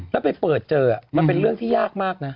แล้วไปเปิดเจอมันเป็นเรื่องที่ยากมากนะ